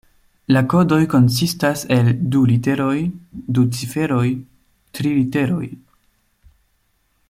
La kodoj konsistas el du literoj, du ciferoj, tri literoj.